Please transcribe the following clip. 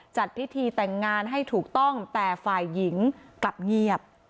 จัดพิธีแต่งงานให้ถูกต้องแต่ฝ่ายหญิงกลับเงียบ